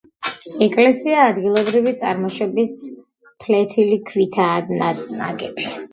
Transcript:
ეკლესია ადგილობრივი წარმოშობის ფლეთილი ქვითაა ნაგები.